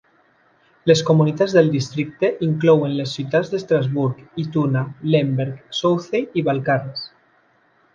Les comunitats del districte inclouen les ciutats d'Estrasburg, Ituna, Lemberg, Southey i Balcarres.